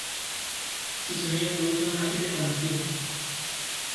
Sus semillas producen un aceite comestible.